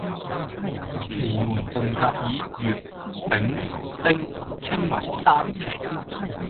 奇門遁甲以乙、丙、丁稱為三奇